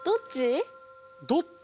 どっち？